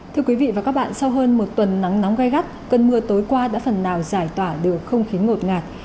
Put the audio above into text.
thưa quý vị và các bạn sau hơn một tuần nắng nóng gai gắt cơn mưa tối qua đã phần nào giải tỏa được không khí ngột ngạt